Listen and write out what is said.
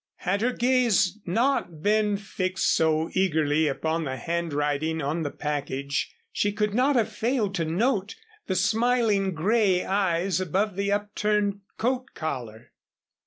Had her gaze not been fixed so eagerly upon the handwriting on the package she could not have failed to note the smiling gray eyes above the upturned coat collar.